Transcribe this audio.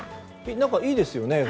いいですよね。